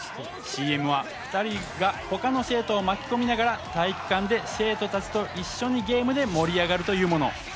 ＣＭは２人が他の生徒を巻き込みながら体育館で生徒たちと一緒にゲームで盛り上がるというもの。